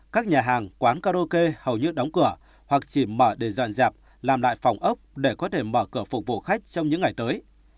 các nhà hàng quán karaoke hầu như đóng cửa hoặc chỉ mở để dọn dẹp làm lại phòng ốc để có thể mở cửa phục vụ khách trong những ngày tới